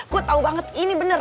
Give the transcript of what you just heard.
gue tau banget ini benar